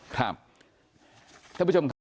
ครับ